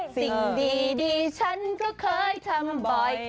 สิ่งดีฉันก็เคยทำบ่อย